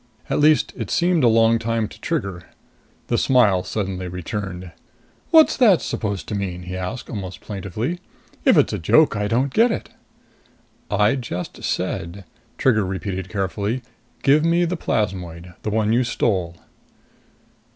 At least it seemed a long time to Trigger. The smile suddenly returned. "What's that supposed to mean?" he asked, almost plaintively. "If it's a joke, I don't get it." "I just said," Trigger repeated carefully, "give me the plasmoid. The one you stole."